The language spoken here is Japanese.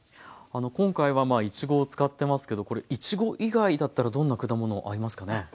今回はいちごを使ってますけどこれいちご以外だったらどんな果物合いますかね？